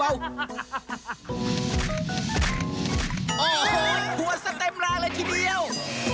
โอ้โหหัวสเต็มแรงเลยทีเดียว